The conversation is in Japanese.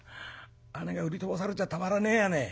姉が売り飛ばされちゃたまらねえやね。